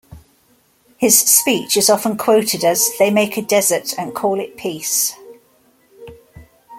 His speech is often quoted as "they make a desert and call it peace".